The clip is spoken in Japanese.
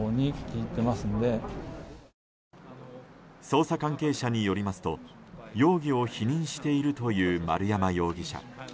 捜査関係者によりますと容疑を否認しているという丸山容疑者。